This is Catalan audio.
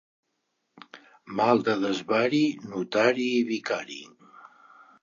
Mal de desvari, notari i vicari.